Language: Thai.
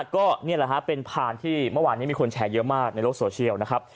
ก็นี่แหละฮะเป็นพานที่เมื่อวานนี้มีคนแชร์เยอะมากในโลกโซเชียลนะครับ